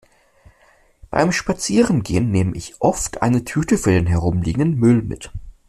Beim Spazierengehen nehme ich oft eine Tüte für den herumliegenden Müll mit.